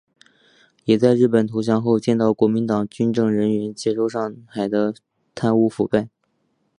也在日本投降后见到国民党军政人员接收上海的贪污腐败。